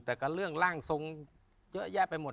แต่ก็เรื่องร่างทรงเยอะแยะไปหมด